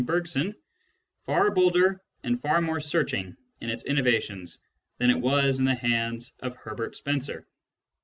Bergson, far bolder^and far more searching in its innovations than it was in the hands of Herbert Spencer.